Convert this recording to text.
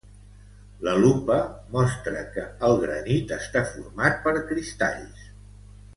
La lupa mostra que el granit està format per cristalls.